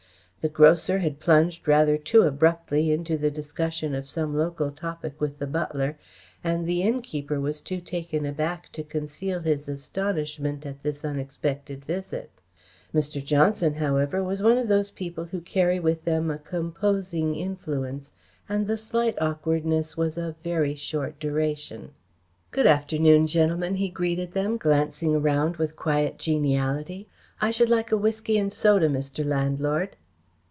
The grocer had plunged rather too abruptly into the discussion of some local topic with the butler, and the innkeeper was too taken aback to conceal his astonishment at this unexpected visit. Mr. Johnson, however, was one of those people who carry with them a composing influence and the slight awkwardness was of very short duration. "Good afternoon, gentlemen," he greeted them, glancing around with quiet geniality. "I should like a whisky and soda, Mr. Landlord."